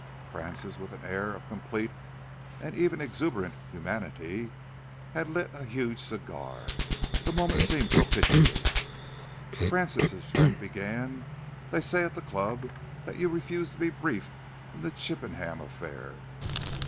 Francis, with an air of complete and even exuberant humanity, had lit a huge cigar. The moment seemed propitious. "Francis," his friend began, "they say at the club that you refused to be briefed in the Chippenham affair."